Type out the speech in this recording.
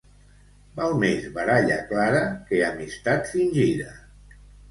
Val més baralla clara que amistat fingida.